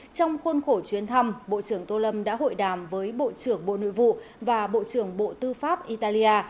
trong khuôn khổ chuyến thăm bộ trưởng tô lâm đã hội đàm với bộ trưởng bộ nội vụ và bộ trưởng bộ tư pháp italia